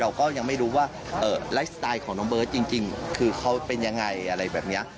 ก็ยังไม่รู้ว่าไลฟ์สไตล์ของน้องเบิร์ตจริงคือเขาเป็นยังไงอะไรแบบนี้